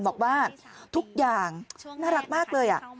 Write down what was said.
บอกว่าทุกอย่างน่ารักมากเลย